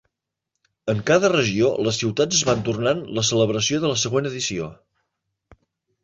En cada regió, les ciutats es van tornant la celebració de la següent edició.